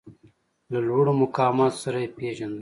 له لوړو مقاماتو سره یې پېژندل.